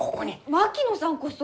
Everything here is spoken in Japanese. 槙野さんこそ！